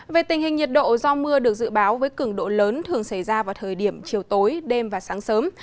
về tình hình nhiệt độ do mưa được dự báo với cường độ lớn thường xảy ra vào thời điểm chiều tối đêm và sáng sớm